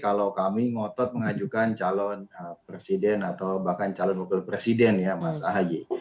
kalau kami ngotot mengajukan calon presiden atau bahkan calon wakil presiden ya mas ahaye